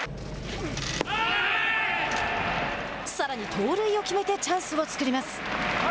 さらに盗塁を決めてチャンスを作ります。